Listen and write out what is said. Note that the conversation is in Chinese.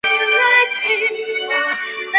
而一般球证会发出黄牌以作警告插水球员。